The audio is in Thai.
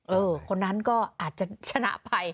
คนนั้นก็อาจจะชนะไป